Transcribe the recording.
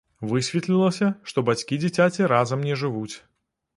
Высветлілася, што бацькі дзіцяці разам не жывуць.